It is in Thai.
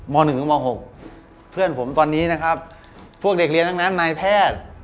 ๑ถึงม๖เพื่อนผมตอนนี้นะครับพวกเด็กเรียนทั้งนั้นนายแพทย์